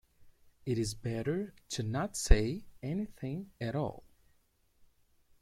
It is better to not say anything at all.